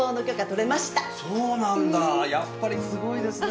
やっぱりすごいですね。